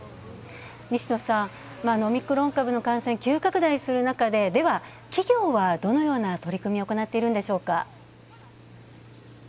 西野さん、オミクロン株の感染急拡大する中で、企業はどのような取り組みを行っているんでしょうか？